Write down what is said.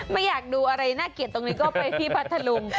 ไม่อยากดูอะไรน่าเกลียดตรงนี้ก็ไปที่พัทธลุง